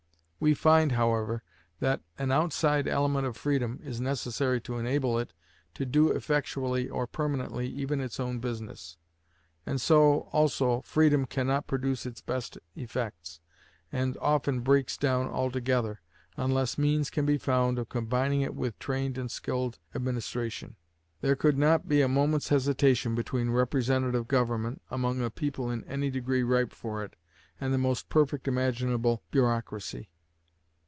We find, however, that an outside element of freedom is necessary to enable it to do effectually or permanently even its own business. And so, also, freedom can not produce its best effects, and often breaks down altogether, unless means can be found of combining it with trained and skilled administration. There could not be a moment's hesitation between representative government, among a people in any degree ripe for it, and the most perfect imaginable bureaucracy.